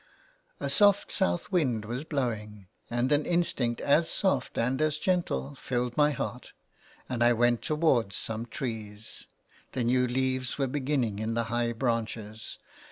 A soft south wind was blowing, and an instinct as soft and as gentle filled my heart, and I went towards some trees. The new leaves were beginning in the high branches.